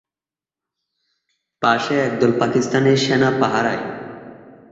পাশে একদল পাকিস্তানি সেনা পাহারায়।